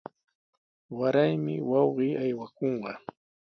Waraymi wawqii aywakunqa.